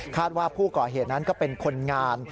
ว่าผู้ก่อเหตุนั้นก็เป็นคนงาน